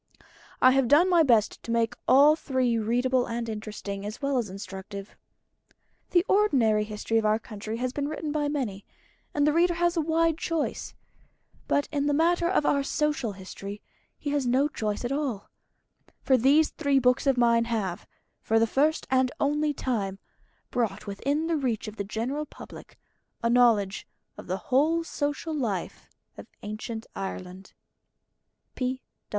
I have done my best to make all three readable and interesting, as well as instructive. The ordinary history of our country has been written by many, and the reader has a wide choice. But in the matter of our Social History he has no choice at all. For these three books of mine have, for the first and only time, brought within the reach of the general public a knowledge of the whole social life of Ancient Ireland.